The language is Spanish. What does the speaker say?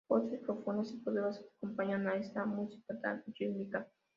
Voces profundas y poderosas acompañan esta música tan rítmica.